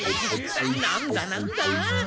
なんだなんだ？